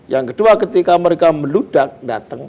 yang kedua ketika mereka meludak datang